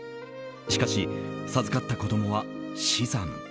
しかし、授かった子供は死産。